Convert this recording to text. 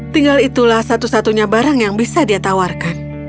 tinggal itulah satu satunya barang yang bisa dia tawarkan